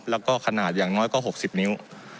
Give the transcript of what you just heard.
แล้วก็ขนาดอย่างน้อยก็๖๐นิ้ว